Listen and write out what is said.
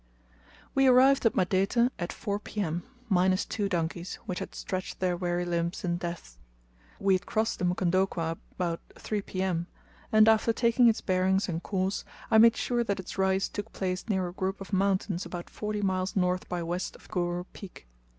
We arrived at Madete at 4 P.M., minus two donkeys, which had stretched their weary limbs in death. We had crossed the Mukondokwa about 3 P.M., and after taking its bearings and course, I made sure that its rise took place near a group of mountains about forty miles north by west of Nguru Peak.